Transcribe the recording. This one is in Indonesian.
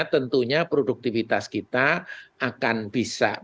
tentunya produktivitas kita akan bisa